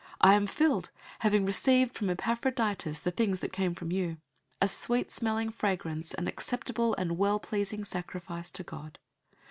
I am filled, having received from Epaphroditus the things that came from you, a sweet smelling fragrance, an acceptable and well pleasing sacrifice to God.